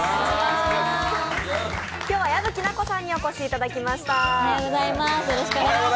今日は矢吹奈子さんにお越しいただきました。